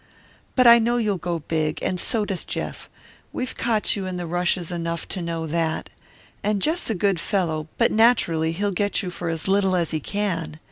"But I know you'll go big, and so does Jeff. We've caught you in the rushes enough to know that. And Jeff's a good fellow, but naturally he'll get you for as little as he can.